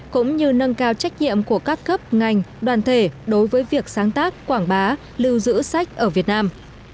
cũng như nâng cao trách nhiệm của các cấp ngành đoàn thể đối với việc sáng tác quảng bá lưu giữ sách ở việt nam